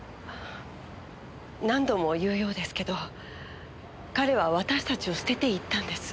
何度も言うようですけど彼は私たちを捨てて行ったんです。